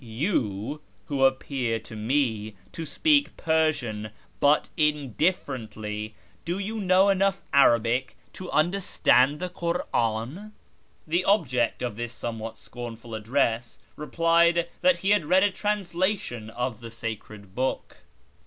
You, who appear to me to speak Persian but indifferently, do you know enough Arabic to understand the Kur'an ?" The object of this somewhat scornful address replied that he had read a translation of the sacred book.